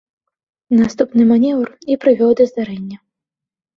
Наступны манеўр і прывёў да здарэння.